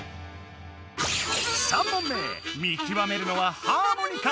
３問目見極めるのは「ハーモニカ」！